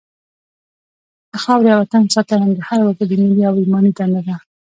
د خاورې او وطن ساتنه د هر وګړي ملي او ایماني دنده ده.